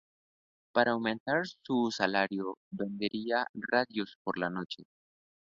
Para aumentar su salario, vendía radios por la noche.